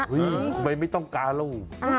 เฮ้ยทำไมไม่ต้องการล่ะ